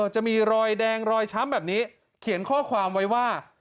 จะมีรอยแดงรอยช้ำแบบนี้เขียนข้อความไว้ว่า